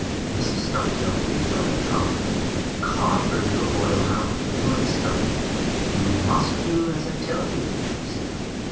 Mrs. Stumptail reached out her trunk and caught her little boy around the middle of his stomach. "You must do as I tell you!" she said.